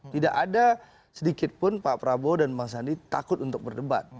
tidak ada sedikitpun pak prabowo dan bang sandi takut untuk berdebat